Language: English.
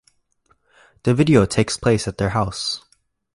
The video takes place at their house.